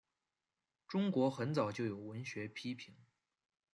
中国很早就有文学批评。